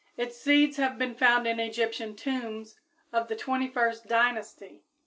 Its seeds have been found in Egyptian tombs of the 21st dynasty.